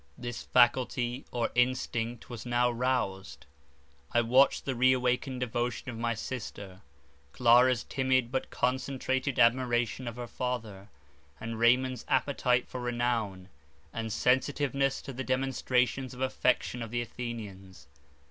This faculty, or instinct, was now rouzed. I watched the re awakened devotion of my sister; Clara's timid, but concentrated admiration of her father, and Raymond's appetite for renown, and sensitiveness to the demonstrations of affection of the Athenians.